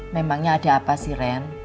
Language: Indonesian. memangnya ada apa sih ren